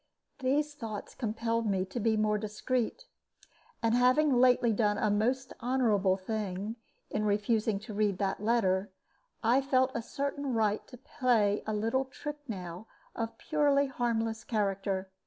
These thoughts compelled me to be more discreet; and having lately done a most honorable thing, in refusing to read that letter, I felt a certain right to play a little trick now of a purely harmless character.